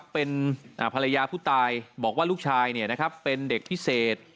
เป็นภรรยาผู้ตายบอกว่าลูกชายเป็นเด็กพิเศษ